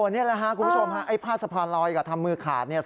นี่แหละครับคุณผู้ชมพาดสะพานลอยกับทำมือขาด